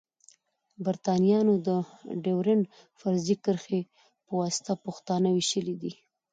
بريتانويانو د ډيورنډ فرضي کرښي پواسطه پښتانه ويشلی دی.